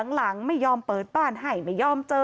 หลังไม่ยอมเปิดบ้านให้ไม่ยอมเจอ